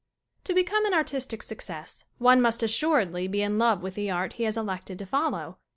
To BECOME an artistic success one must as suredly be in love with the art he has elected to follow.